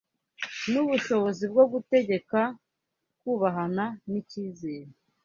nubushobozi bwo gutegeka kubahana nicyizere